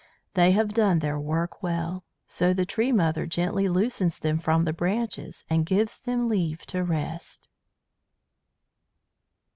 They have done their work well, so the tree mother gently loosens them from the branches and gives them leave to rest."